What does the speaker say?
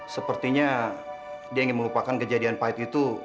sepertinya dia ingin melupakan kejadian pahit itu